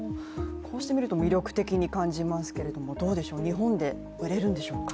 こうして見ると魅力的に感じますが、どうでしょう、日本で売れるんでしょうか。